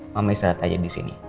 mama istirahat aja disini